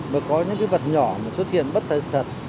mà có những vật nhỏ xuất hiện bất thật